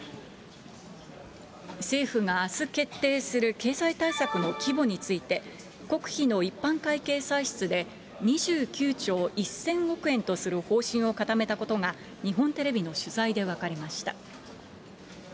政府があす決定する経済対策の規模について、国費の一般会計歳出で２９兆１０００億円とする方針を固めたことが、日本テレビの取材で分かりました。